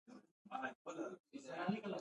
سلیمان غر د افغانستان د جغرافیایي موقیعت پایله ده.